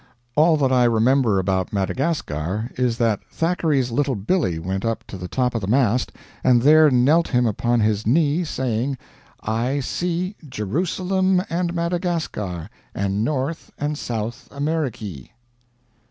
All that I remember about Madagascar is that Thackeray's little Billie went up to the top of the mast and there knelt him upon his knee, saying, "I see "Jerusalem and Madagascar, And North and South Amerikee."